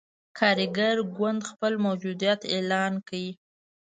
کارګر ګوند خپل موجودیت اعلان کړ.